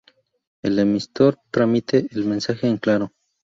El emisor transmite el mensaje en claro.